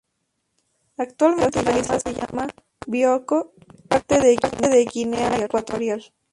Actualmente la isla se llama Bioko, y es parte de Guinea Ecuatorial.